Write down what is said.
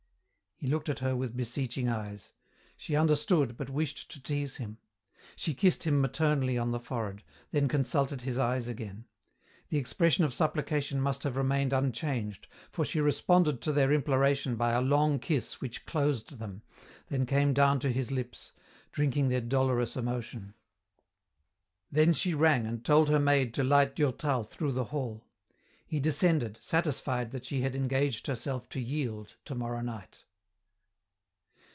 He looked at her with beseeching eyes. She understood, but wished to tease him. She kissed him maternally on the forehead, then consulted his eyes again. The expression of supplication must have remained unchanged, for she responded to their imploration by a long kiss which closed them, then came down to his lips, drinking their dolorous emotion. Then she rang and told her maid to light Durtal through the hall. He descended, satisfied that she had engaged herself to yield tomorrow night.